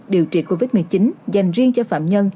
điều trị covid một mươi chín dành riêng cho phạm nhân